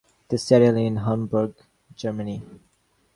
They settled in Hamburg, Germany.